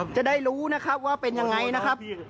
จะได้รู้นะครับว่าเป็นยังไงนะครับ